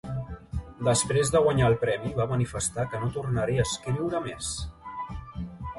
Després de guanyar el premi va manifestar que no tornaria a escriure més.